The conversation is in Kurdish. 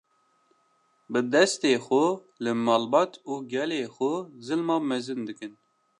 bi destê xwe li malbat û gelê xwe zilma mezin dikin